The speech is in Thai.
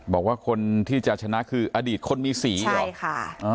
บอกว่าคนที่จะชนะคืออดีตคนมีสีเหรอใช่ค่ะ